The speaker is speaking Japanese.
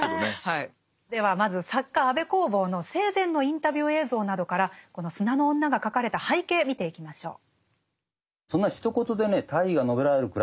ではまず作家安部公房の生前のインタビュー映像などからこの「砂の女」が書かれた背景見ていきましょう。